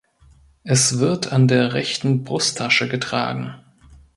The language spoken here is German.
Es wird an der rechten Brusttasche getragen.